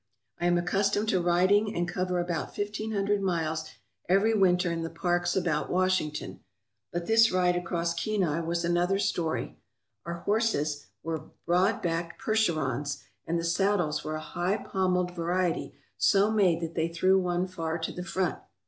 I am accustomed to riding and cover about fifteen hundred miles every winter in the parks about Washington. But this ride across Kenai was another story. Our horses were broad backed Percherons, and the saddles were a high pommelled variety so made that they threw one far to the front.